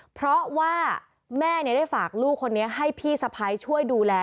เพราะว่าแม่ได้ฝากลูกคนนี้ให้พี่สะพ้ายช่วยดูแล